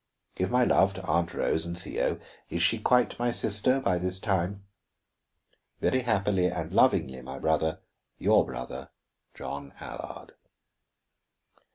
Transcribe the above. Give my love to Aunt Rose and Theo is she quite my sister by this time? Very happily and lovingly, my brother, Your brother, JOHN ALLARD.